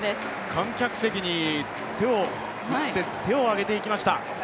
観客席に手を振って、手を上げていきました。